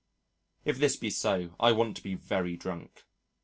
If this be so, I want to be very drunk.